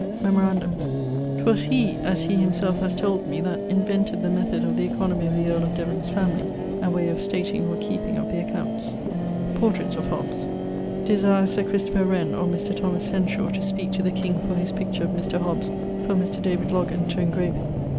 Memorandum 'twas he (as he him selfe haz told me) that the method of the oeconomie of the earle of Devon's family and way of stating or keeping of the accounts. <_Portraits of Hobbes._> Desire Sir Christopher Wren or Mr. Thomas Henshawe to speake to the king for his picture of Mr. Hobbes for Mr. Loggan to engrave it.